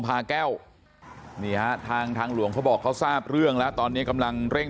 พาแก้วนี่ฮะทางทางหลวงเขาบอกเขาทราบเรื่องแล้วตอนนี้กำลังเร่ง